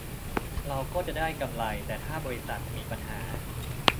เราก็จะได้กำไร แต่ถ้าบริษัทมีปัญหา